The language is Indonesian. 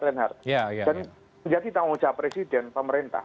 dan jadi tanggung jawab presiden pemerintah